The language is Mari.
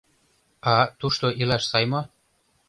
— А тушто илаш сай мо?